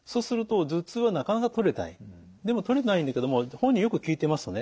でもとれてないんだけども本人によく聞いてみますとね